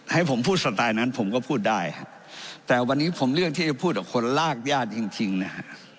ให้ผมพูดสไตล์นั้นผมก็พูดได้แต่วันนี้ผมเลือกที่จะพูดกับคนลากญาติจริงจริงนะฮะ